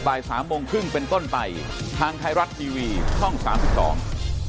บ่ายสามโมงครึ่งเป็นต้นไปทางไทยรัฐทีวีช่องสามสิบสอง